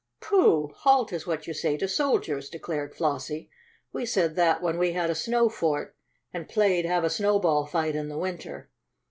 "Pooh! 'Halt' is what you say to soldiers," declared Flossie. "We said that when we had a snow fort, and played have a snowball fight in the winter.